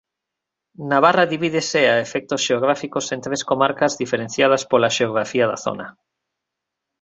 Navarra divídese a efectos xeográficos en tres comarcas diferenciadas pola xeografía da zona.